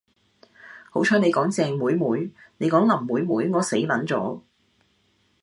好彩妳講鄭妹妹，妳講林妹妹我死 𨶙 咗